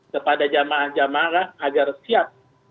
kepada jamaah jamaah agar siap